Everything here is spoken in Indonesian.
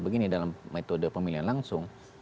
begini dalam metode pemilihan langsung